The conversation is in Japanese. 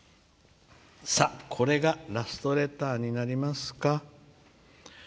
これがラストレターになりますか。